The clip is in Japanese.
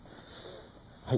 はい。